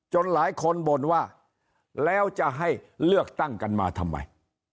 หลายคนบ่นว่าแล้วจะให้เลือกตั้งกันมาทำไม